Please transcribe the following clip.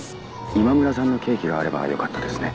今村さんのケーキがあればよかったですね。